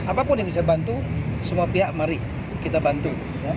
apapun yang saya bantu semua pihak mari kita bantu